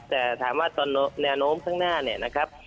แต่ถามว่าตอนแนวโน้มข้างหน้าเนี่ยนะครับ